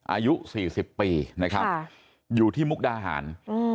อายุสี่สิบปีนะครับค่ะอยู่ที่มุกดาหารอืม